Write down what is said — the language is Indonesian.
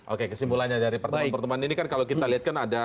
oke kesimpulannya dari pertemuan pertemuan ini kan kalau kita lihat kan ada